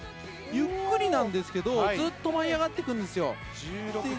ゆっくりなんですけどずっと舞い上がって行くんですよ。